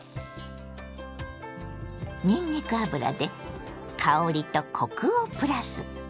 にんにく油で香りとコクをプラス。